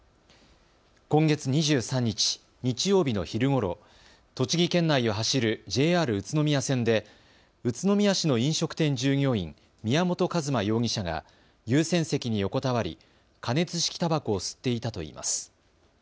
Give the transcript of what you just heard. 今月２３日、日曜日の昼ごろ栃木県内を走るＪＲ宇都宮線で宇都宮市の飲食店従業員宮本一馬容疑者が優先席に横たわり加熱式たばこを吸っていたといいます。